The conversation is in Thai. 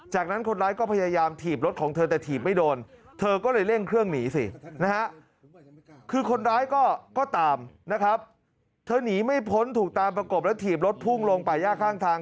หนีไม่พ้นถูกตามประกบและถีบรถพุ่งลงไปย่าข้างทาง